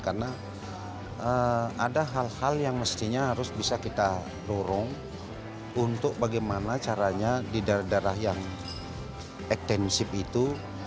karena ada hal hal yang mestinya harus bisa kita dorong untuk bagaimana caranya di daerah daerah yang ekstensif itu